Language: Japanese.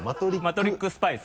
マトリックスパイス。